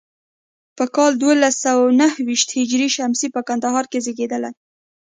په کال دولس سوه نهو ویشت هجري شمسي په کندهار کې زیږېدلی.